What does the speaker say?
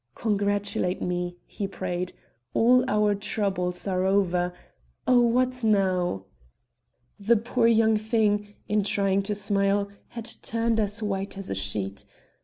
"Congratulate me," he prayed. "All our troubles are over Oh, what now!" The poor young thing, in trying to smile, had turned as white as a sheet.